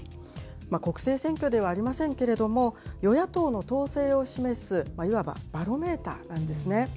国政選挙ではありませんけれども、与野党の党勢を示すいわばバロメーターなんですね。